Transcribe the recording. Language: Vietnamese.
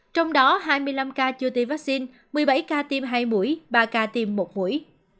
trong đó hai mươi năm ca chưa tiêm vaccine một mươi bảy ca tiêm hai mũi ba ca tim một mũi